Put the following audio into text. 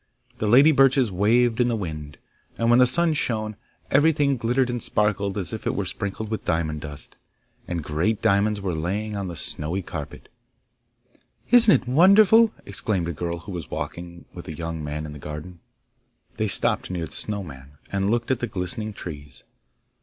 The lady birches waved in the wind; and when the sun shone, everything glittered and sparkled as if it were sprinkled with diamond dust, and great diamonds were lying on the snowy carpet. 'Isn't it wonderful?' exclaimed a girl who was walking with a young man in the garden. They stopped near the Snow man, and looked at the glistening trees.